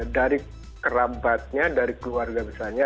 dari kerabatnya dari keluarga besarnya